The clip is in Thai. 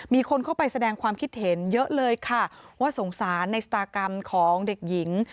มีคนเข้าไปแสดงความคิดเห็นเยอะเลยค่ะว่าสงสารในชะตากรรมของเด็กหญิง